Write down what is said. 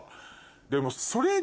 でも。